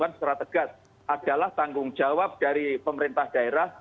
yang secara tegas adalah tanggung jawab dari pemerintah daerah